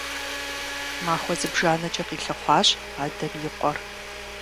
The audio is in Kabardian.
Махуэ зыбжанэкӀэ къилъыхъуащ адэм и къуэр.